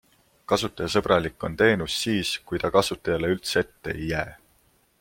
Kasutajasõbralik on teenus siis, kui ta kasutajale üldse ette ei jää.